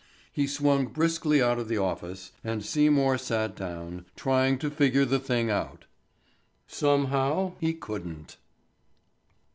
He swung briskly out of the office and Seymour sat down, tried to figure the thing out. Somehow he couldn't.